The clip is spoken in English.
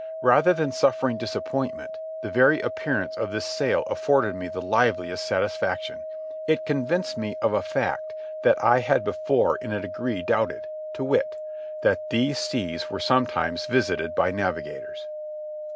Rather than suffering disappointment, the very appearance of this sail afforded me the liveliest satisfaction. It convinced me of a fact that I had before in a degree doubted, to wit: that these seas were sometimes visited by navigators.